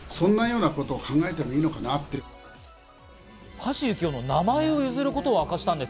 橋幸夫の名前を譲ることを明かしたんです。